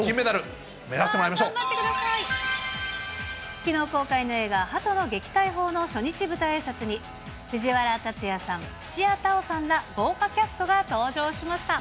きのう公開の映画、鳩の撃退法の初日舞台あいさつに、藤原竜也さん、土屋太鳳さんら豪華キャストが登場しました。